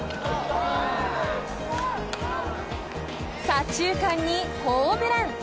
［左中間にホームラン］